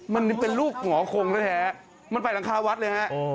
มันเป็นรูปหงอคงแท้มันไปหลังคาวัดเลยฮะ